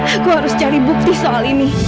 aku harus cari bukti soal ini